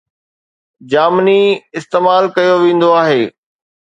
جامني استعمال ڪيو ويندو آهي